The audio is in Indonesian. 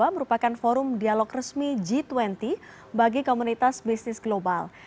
merupakan forum dialog resmi g dua puluh bagi komunitas bisnis global